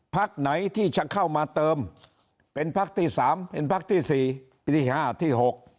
พักไหนที่จะเข้ามาเติมเป็นพักที่๓เป็นพักที่๔ปีที่๕ที่๖